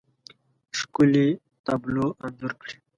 ښکلې، تابلو انځور کړي